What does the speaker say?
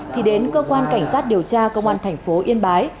thì đến cơ quan cảnh sát điều tra công an thành phố yên bái